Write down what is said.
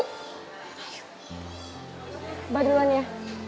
abah duluan ya